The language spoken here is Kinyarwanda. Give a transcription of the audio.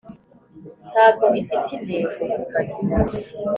ntago ifite intego.